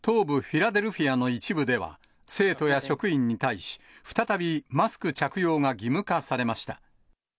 フィラデルフィアの一部では、生徒や職員に対し、再びマスク着用が義務化されました。